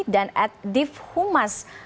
dan at divhumas